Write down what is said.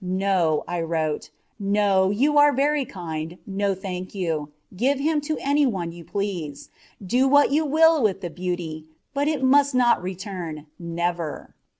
"No," I wrote, "no, you are very kind, no, thank you; give him to any one you please do what you will with 'the beauty,' but it must not return, never."